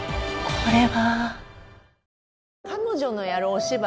これは。